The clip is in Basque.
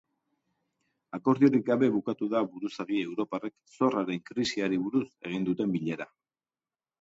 Akordiorik gabe bukatu da buruzagi europarrek zorraren krisiari buruz egin duten bilera.